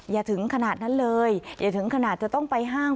อย่าถึงขนาดนั้นเลยอย่าถึงขนาดจะต้องไปห้าง